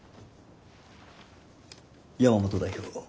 山本代表